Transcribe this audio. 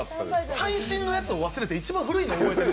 最新のやつを忘れて一番古いやつ覚えてる？